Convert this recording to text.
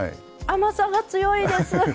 甘さが強いです。